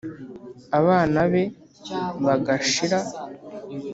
abana be bagashira